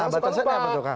batasannya apa dokak